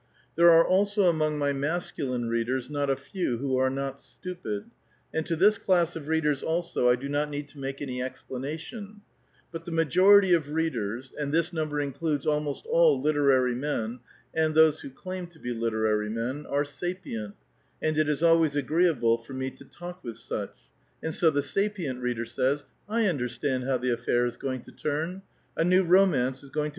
There are also among my mase 1:1 line readers not a few who are not stupid, and to this class of readers also, I do not need to make any explanation ; but "tlie majority of readers — and this number includes almost; all literary men, and those who claim to be literary men are sapient, and it is always agreeable for me to talk Avith such; and so the sapient reader says: "I under stand how the affair is going to turn. A new romance is going to.